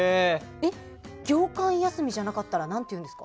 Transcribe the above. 業間休みじゃなかったら何て言うんですか？